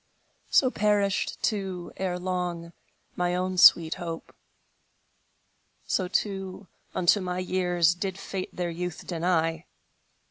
So perished, too, erelong, My own sweet hope; So too, unto my years Did Fate their youth deny.